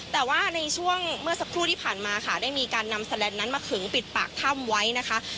แต่ว่าในช่วงเมื่อสักครู่ที่ผ่านมาค่ะได้มีการนำแลนดนั้นมาขึงปิดปากถ้ำไว้นะคะ